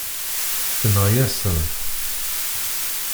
Tenɣa-yasent-t.